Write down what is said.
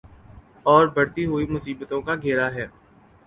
اوربڑھتی ہوئی مصیبتوں کا گھیرا ہے۔